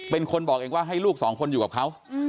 เป็นคนบอกเองว่าให้ลูกสองคนอยู่กับเขา